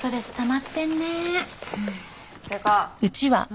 ってか何？